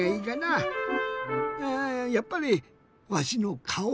あやっぱりわしのかお？